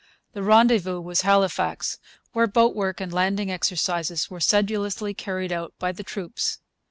The rendezvous was Halifax, where boat work and landing exercises were sedulously carried out by the troops.